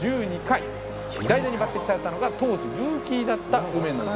代打に抜てきされたのが当時ルーキーだった。